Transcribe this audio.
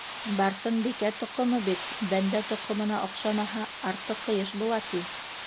Барсынбикә тоҡомо бит, бәндә тоҡомона оҡшамаһа, арты ҡыйыш була, ти.